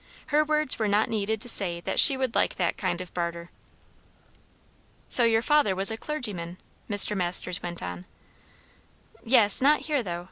Her words were not needed to say that she would like that kind of barter. "So your father was a clergyman?" Mr. Masters went on. "Yes. Not here, though.